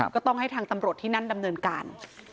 ก็ต้องให้ทางตำรวจที่นั่นดำเนินการ